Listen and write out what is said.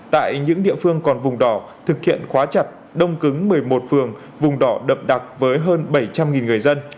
tại những địa phương còn vùng đỏ thực hiện khóa chặt đông cứng một mươi một phường vùng đỏ đậm đặc với hơn bảy trăm linh người dân